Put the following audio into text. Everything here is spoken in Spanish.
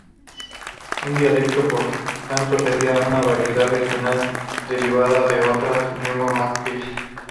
Un dialecto, por tanto, sería una variedad regional derivada de otra lengua matriz.